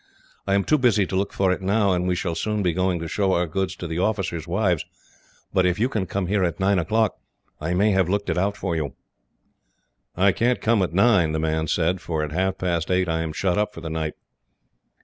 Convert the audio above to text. I am too busy to look for it now, and we shall soon be going to show our goods to the officers' wives; but if you can come here at nine o'clock, I may have looked it out for you." "I can't come at nine," the man said, "for at half past eight I am shut up for the night."